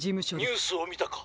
☎ニュースをみたか？